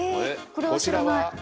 これは知らない。